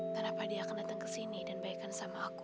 dan apa dia akan datang ke sini dan baikkan sama aku